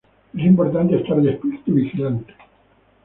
Es importante estar despierto y vigilante.